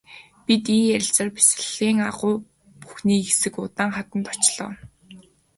Бид ийн ярилцсаар бясалгалын агуй бүхий хэсэг улаан хаданд очлоо.